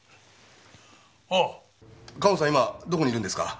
カモさん今どこにいるんですか？